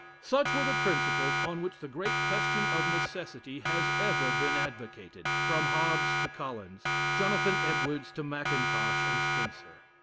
Such were the principles on which the great question of Necessity has ever been advocated from Hobbes to Collins, Jonathan Ed wards to Mackintosh and Spencer.